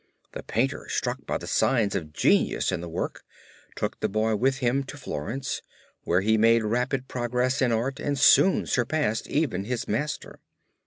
The painter struck by the signs of genius in the work took the boy with him to Florence, where he made rapid progress in art and soon surpassed even his master.